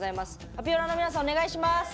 アピオラの皆さん、お願いします。